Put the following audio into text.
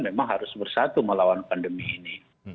memang harus bersatu melawan pandemi ini